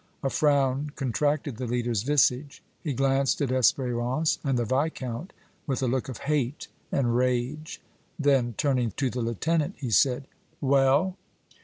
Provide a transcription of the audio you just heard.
A frown contracted the leader's visage; he glanced at Espérance and the Viscount with a look of hate and rage; then, turning to the lieutenant, he said: "Well?"